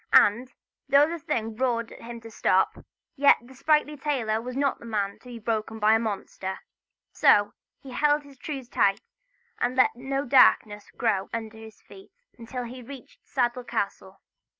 And though the thing roared to him to stop, yet the sprightly tailor was not the man to be beholden to a monster. So he held his trews tight, and let no darkness grow under his feet until he had reached Saddell Castle.